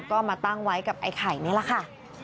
ก็มาตั้งไว้กับไอ้ไข่นี่แหละค่ะ